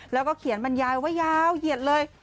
แล้วก็เขียนบรรยายไว้ยาวเหยียดเลย